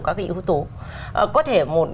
các cái yếu tố có thể một